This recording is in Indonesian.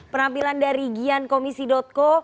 penampilan dari giankomisi co